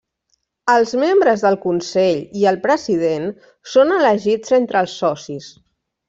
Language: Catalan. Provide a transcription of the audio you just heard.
Els membres del Consell i el President són elegits entre els Socis.